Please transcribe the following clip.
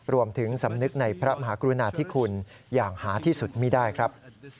สำนึกในพระมหากรุณาธิคุณอย่างหาที่สุดไม่ได้ครับ